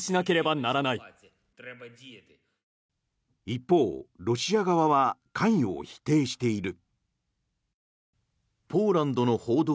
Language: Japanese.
一方、ロシア側は関与を否定している。